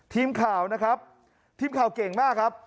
ทีมข่าวนะครับทีมข่าวเก่งมากครับ